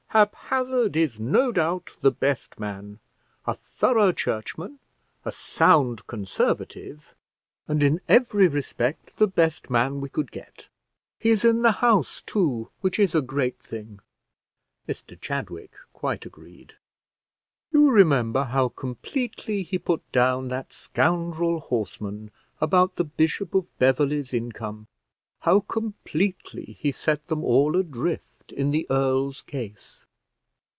Haphazard is no doubt the best man; a thorough churchman, a sound conservative, and in every respect the best man we could get; he's in the House, too, which is a great thing." Mr Chadwick quite agreed. "You remember how completely he put down that scoundrel Horseman about the Bishop of Beverley's income; how completely he set them all adrift in the earl's case."